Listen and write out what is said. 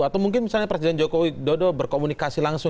atau mungkin misalnya presiden jokowi berkomunikasi langsung